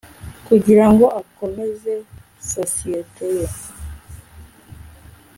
kugirango akomeze isosiyete ye